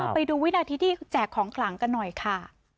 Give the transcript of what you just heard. ไปดูวินาทีที่แจกของขลังกันหน่อยค่ะ